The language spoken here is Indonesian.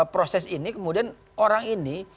proses ini kemudian orang ini